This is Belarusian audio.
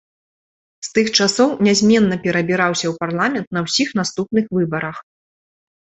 З тых часоў нязменна пераабіраўся ў парламент на ўсіх наступных выбарах.